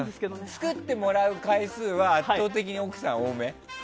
作ってもらう回数は圧倒的に奥さんが多め？